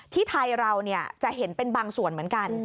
ที่ไทยเราจะเห็นเป็นบางส่วนเหมือนกัน